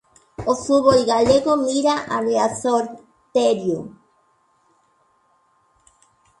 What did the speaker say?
O fútbol galego mira a Riazor, Terio.